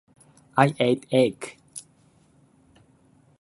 I ate egg.